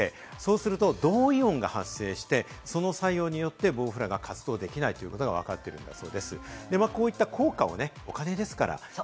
そうすると銅イオンが発生して、その作用によってボウフラが活動できないということがわかっています。